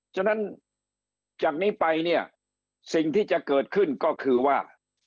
ฉะนั้นจากนี้ไปเนี่ยสิ่งที่จะเกิดขึ้นก็คือว่า